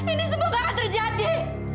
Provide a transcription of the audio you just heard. ini semua nggak akan terjadi